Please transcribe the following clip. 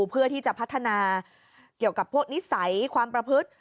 เพื่อที่จะพัฒนาเกี่ยวกับพวกนิสัยความประพฤติ